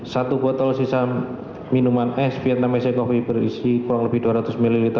satu botol sisa minuman ais vietnong kopi berisi kurang lebih dua ratus ml